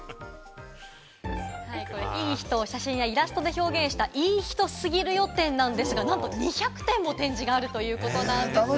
いい人を写真やイラストで表現した、いい人すぎるよ展なんですが、なんと２００点も展示があるということなんです。